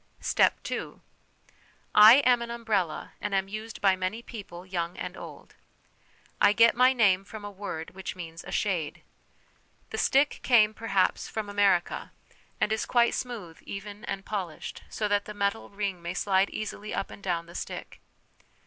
" Step II. " I am an umbrella, and am used by many people, young and old. " I get my name from a word which means a shade. "The stick came perhaps from America, and is 246 HOME EDUCATION quite smooth, even, and polished, so that the metal ring may slide easily up and down the stick.